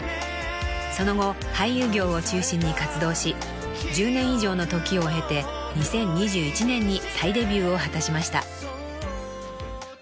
［その後俳優業を中心に活動し１０年以上の時を経て２０２１年に再デビューを果たしました］